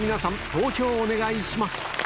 投票お願いします